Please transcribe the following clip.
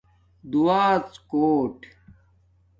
دُعاڎ کوٹ